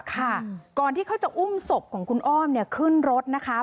ค่ะก่อนที่เขาจะอุ้มศพของคุณอ้อมเนี่ยขึ้นรถนะคะ